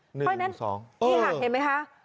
เพราะฉะนั้นนี่ค่ะเห็นไหมคะ